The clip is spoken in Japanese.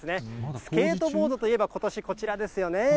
スケートボードといえば、ことしこちらですね。